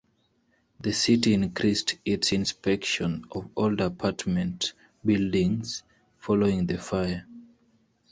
The city increased its inspections of older apartment buildings following the fire.